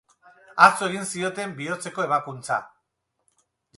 Atzo egin zioten bihotzeko ebakuntza.